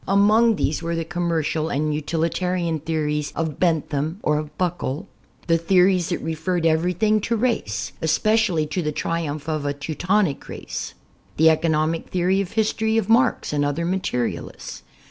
Among these were the commercial and utilitarian theories of Bentham or of Buckle, the theories that re ferred everything to race, especially to the triumph of a Teutonic race, the economic theory of history of Marx and other materialists.